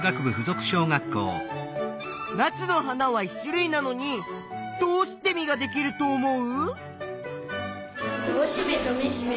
ナスの花は１種類なのにどうして実ができると思う？